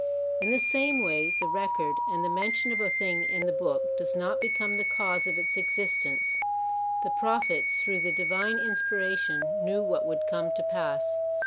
In the same way, the record and the mention of a thing in the Book does not become the cause of its existence. The Prophets, through the divine inspira tion, knew what would come to pass.